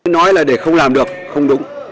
nói là để không làm được không đúng